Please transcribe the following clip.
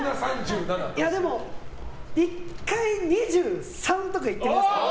でも、１回２３とかいってみますか。